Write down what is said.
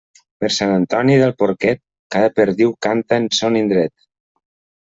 Per Sant Antoni del porquet, cada perdiu canta en son indret.